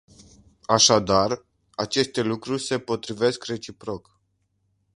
Așadar, aceste lucruri se potrivesc reciproc.